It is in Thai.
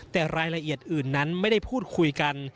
แต่รายละเอียดอื่นนั้นไม่ได้พูดคุยกัน